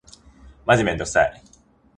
マジめんどくさい。